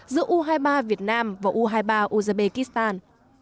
giữa u hai mươi ba việt nam và u hai mươi ba uzbekistan